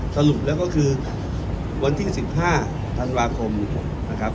สรุปแล้วก็คือวันที่๑๕ธันวาคมนะครับ